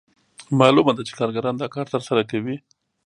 معلومه ده چې کارګران دا کار ترسره کوي